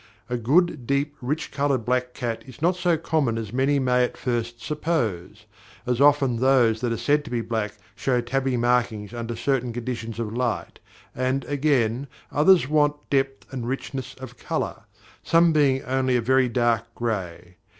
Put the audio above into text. A good, deep, rich coloured black cat is not so common as many may at first suppose, as often those that are said to be black show tabby markings under certain conditions of light; and, again, others want depth and richness of colour, some being only a very dark gray.